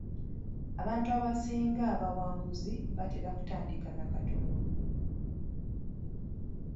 Abantu abasinga abawanguzi batera kutandika na kitono.